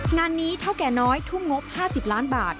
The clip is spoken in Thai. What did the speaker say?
งานนี้เท่าแก่น้อยทุ่มงบ๕๐ล้านบาท